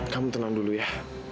kamu tenang dulu ya